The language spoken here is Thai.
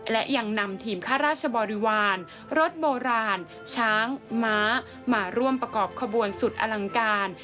และยังนำทีมข้าราชบริวารรถโบราณช้างม้ามาร่วมประกอบขบวนสุดอลังการ